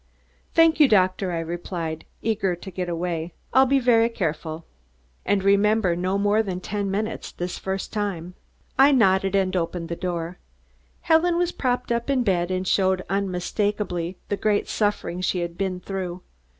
"Thank you, Doctor," I replied, eager to get away, "I'll be very careful." "And remember, no more than ten minutes this first time." I nodded and opened the door. Helen was propped up in bed and showed unmistakably the great suffering she had been through.